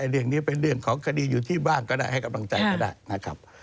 เรื่องนี้เป็นเรื่องของคดีอยู่ที่บ้านก็ได้ให้กำลังใจก็ได้นะครับ